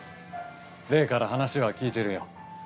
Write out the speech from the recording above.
礼から話は聞いてるよ。